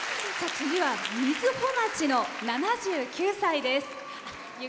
次は瑞穂町の７９歳です。